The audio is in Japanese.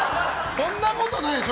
そんなことないでしょ？